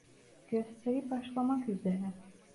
Gösteri başlamak üzere.